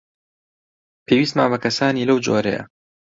پێویستمان بە کەسانی لەو جۆرەیە.